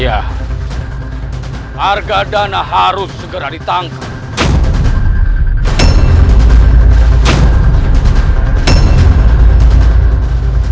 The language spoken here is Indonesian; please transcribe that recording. harga dana harus segera ditangkap